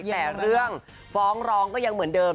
แต่เรื่องฟ้องร้องก็ยังเหมือนเดิม